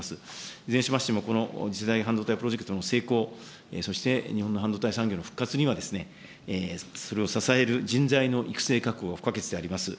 いずれにしましても、次世代半導体プロジェクトの成功、そして日本の半導体産業の復活には、それを支える人材の育成確保が不可欠であります。